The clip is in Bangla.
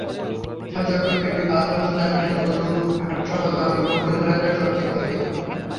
এসব চক্র বিভিন্ন বাস-লঞ্চ টার্মিনাল, গরুর হাটসহ জনবহুল এলাকায়ও সক্রিয় থাকে।